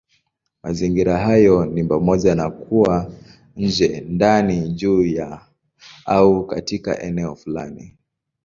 Mazingira hayo ni pamoja na kuwa nje, ndani, juu ya, au katika eneo fulani.